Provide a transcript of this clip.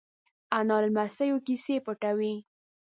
انا له لمسيو کیسې پټوي